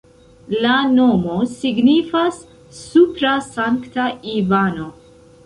La nomo signifas supra-Sankta-Ivano.